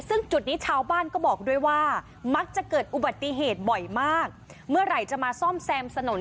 ซึ่งจุดนี้ชาวบ้านก็บอกด้วยว่ามักจะเกิดอุบัติเหตุบ่อยมากเมื่อไหร่จะมาซ่อมแซมถนน